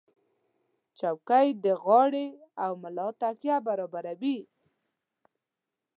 چوکۍ د غاړې او ملا تکیه برابروي.